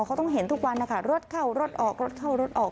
เขาต้องเห็นทุกวันนะคะรถเข้ารถออกรถเข้ารถออก